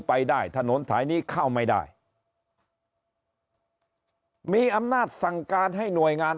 ไปได้ถนนสายนี้เข้าไม่ได้มีอำนาจสั่งการให้หน่วยงาน